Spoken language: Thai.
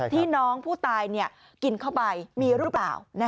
ที่น้องผู้ตายกินเข้าไปมีหรือเปล่า